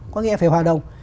có nghĩa là phải hòa đồng